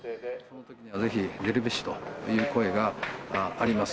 ぜひ出るべしという声があります。